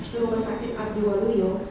ke rumah sakit abdiwaluyo